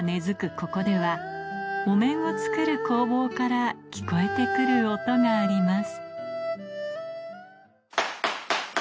ここではお面を作る工房から聞こえてくる音があります